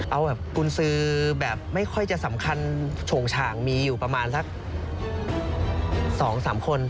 เอาแบบกุญสือแบบไม่ค่อยจะสำคัญโฉงฉ่างมีอยู่ประมาณสัก๒๓คน